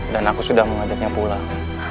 dan aku sudah mengajaknya pulang